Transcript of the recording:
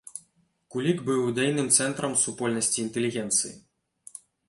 Кулік быў ідэйным цэнтрам супольнасці інтэлігенцыі.